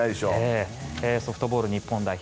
ソフトボール日本代表